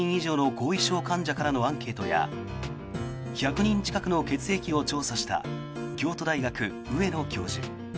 ２７００人以上の後遺症患者からのアンケートや１００人近くの血液を調査した京都大学、上野教授。